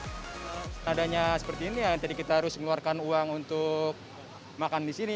dengan adanya seperti ini ya jadi kita harus mengeluarkan uang untuk makan di sini